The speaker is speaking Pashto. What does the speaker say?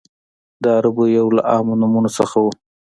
د عربو یو له عامو نومونو څخه و.